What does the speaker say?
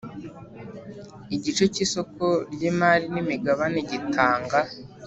Igice cy isoko ry imari n imigabane gitanga